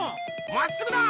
まっすぐだ！